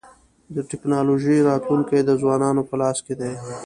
د ټکنالوژۍ راتلونکی د ځوانانو په لاس کي دی.